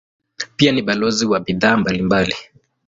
Pia ni balozi wa bidhaa mbalimbali.